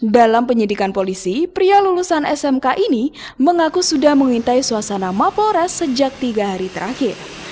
dalam penyidikan polisi pria lulusan smk ini mengaku sudah mengintai suasana mapolres sejak tiga hari terakhir